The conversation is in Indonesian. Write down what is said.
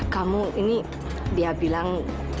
kamu ini dia bilang